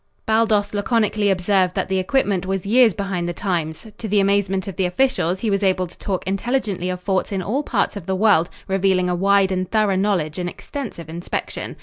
Baldos laconically observed that the equipment was years behind the times. To the amazement of the officials, he was able to talk intelligently of forts in all parts of the world, revealing a wide and thorough knowledge and extensive inspection.